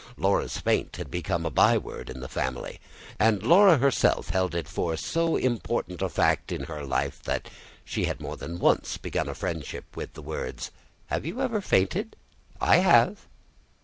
"Laura's faint" had become a byword in the family; and Laura herself held it for so important a fact in her life that she had more than once begun a friendship with the words: "Have you ever fainted? I have."